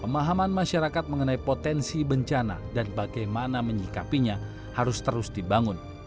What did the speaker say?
pemahaman masyarakat mengenai potensi bencana dan bagaimana menyikapinya harus terus dibangun